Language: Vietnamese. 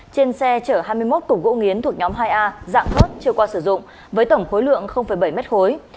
trên xe chở hai mươi một cục gỗ nghiến thuộc nhóm hai a dạng thớt chưa qua sử dụng với tổng khối lượng bảy m khối